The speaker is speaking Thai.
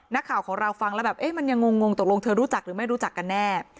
นักข่าวของเราฟังแล้วแบบเอ๊ะมันยังงงตกลงเธอรู้จักหรือไม่รู้จักกันแน่